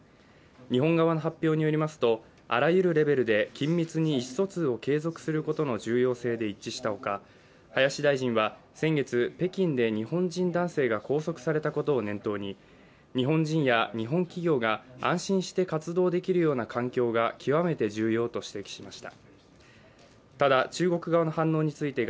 日本側の発表によりますと、あらゆるレベルで緊密に意思疎通を継続することの重要性で一致した他、林大臣は先月北京で日本人男性が拘束されたことを念頭に、日本人や日本企業が安心して活動できるような環境が極めて重要と指摘しました。